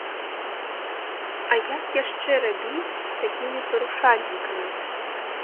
А як яшчэ рабіць з такімі парушальнікамі?